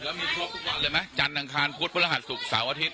แล้วมีครบทุกวันเลยไหมจันทร์อังคารพุธพฤหัสศุกร์เสาร์อาทิตย